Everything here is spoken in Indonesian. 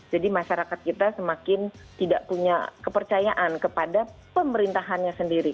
jadi masyarakat kita semakin tidak punya kepercayaan kepada pemerintahannya sendiri